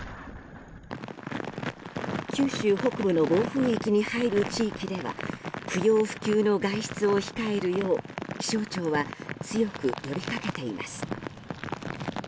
九州北部の暴風域に入る地域では不要不急の外出を控えるよう気象庁は強く呼びかけています。